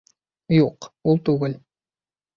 Юҡ, ул түгел